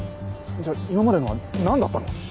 じゃあ今までのは何だったの？